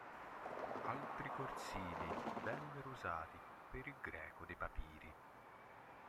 Altri corsivi vennero usati per il greco dei papiri.